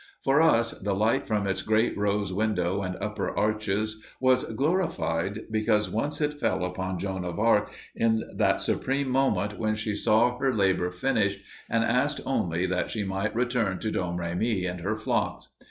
For us the light from its great rose window and upper arches was glorified because once it fell upon Joan of Arc in that supreme moment when she saw her labor finished and asked only that she might return to Domremy and her flocks.